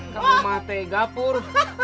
ke rumah tegapur